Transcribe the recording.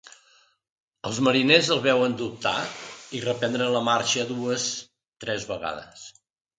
Els mariners el veuen dubtar i reprendre la marxa dues, tres vegades.